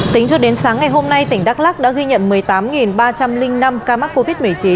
tính cho đến sáng ngày hôm nay tỉnh đắk lắc đã ghi nhận một mươi tám ba trăm linh năm ca mắc covid một mươi chín